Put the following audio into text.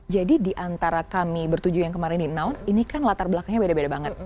jadi diantara kami bertujuh yang kemarin di announce ini kan latar belakangnya beda beda banget